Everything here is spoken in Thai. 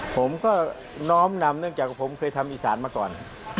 ผมก็น้อมนำเนื่องจากผมเคยทำอีสานมาก่อน